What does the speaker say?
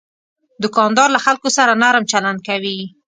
دوکاندار له خلکو سره نرم چلند کوي.